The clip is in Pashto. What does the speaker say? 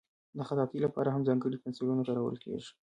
د خطاطۍ لپاره هم ځانګړي پنسلونه کارول کېږي.